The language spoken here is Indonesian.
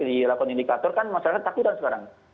di lakon indikator kan masyarakat takut sekarang